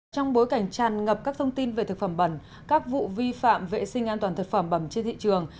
trong bối cảnh tràn ngập các thông tin về thực phẩm bẩn các vụ vi phạm vệ sinh an toàn thực phẩm bẩm trên thị trường